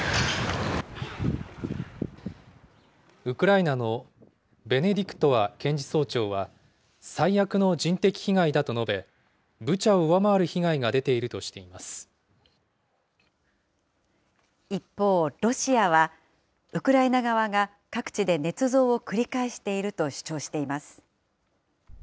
ウクライナのベネディクトワ検事総長は、最悪の人的被害だと述べ、ブチャを上回る被害が出ているとしてい一方、ロシアは、ウクライナ側が各地でねつ造を繰り返していると主張しています。